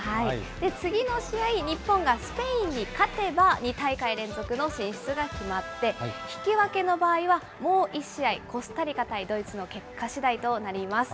次の試合、日本がスペインに勝てば、２大会連続の進出が決まって、引き分けの場合は、もう１試合、コスタリカ対ドイツの結果しだいとなります。